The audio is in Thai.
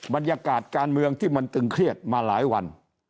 บรรยากาศการเมืองที่มันตึงเครียดมาหลายวัน